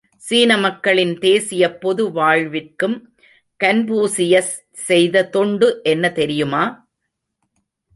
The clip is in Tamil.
சீன மக்களின் தேசியப்பொது வாழ்விற்கும் கன்பூசியஸ் செய்த தொண்டு என்ன தெரியுமா?